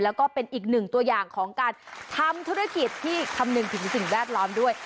แล้วก็เป็นอีกหนึ่งตัวอย่างของการทำธุรกิจที่คำนึงถึงสิ่งแวดล้อมด้วย